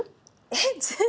えっ。